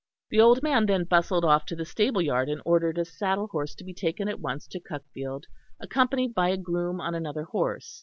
The old man then bustled off to the stableyard and ordered a saddle horse to be taken at once to Cuckfield, accompanied by a groom on another horse.